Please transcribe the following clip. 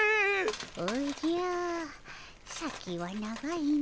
おじゃ先は長いの。